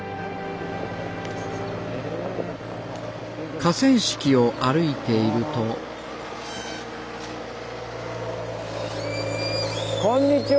河川敷を歩いているとこんにちは！